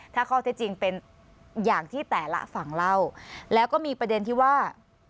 ถ้าข้อเท็จจริงเป็นอย่างที่แต่ละฝั่งเล่าแล้วก็มีประเด็นที่ว่า